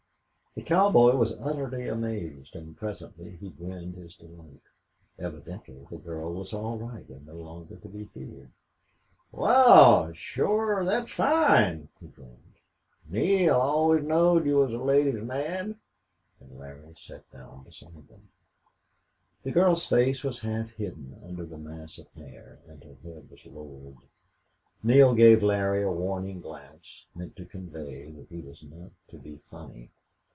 The cowboy was utterly amazed, and presently he grinned his delight. Evidently the girl was all right and no longer to be feared. "Wal, shore thet's fine," he drawled. "Neale, I always knowed you was a lady's man." And Larry sat down beside them. The girl's face was half hidden under the mass of hair, and her head was lowered. Neale gave Larry a warning glance, meant to convey that he was not to be funny.